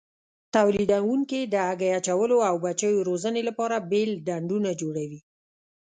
تولیدوونکي د هګۍ اچولو او بچیو روزنې لپاره بېل ډنډونه جوړوي.